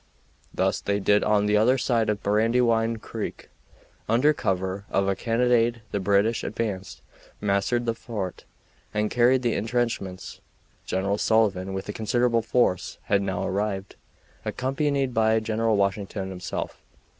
This they did on the other side of Brandywine Creek. Under cover of a cannonade the British advanced, mastered the fort, and carried the intrenchments. General Sullivan, with a considerable force, had now arrived, accompanied by General Washington himself.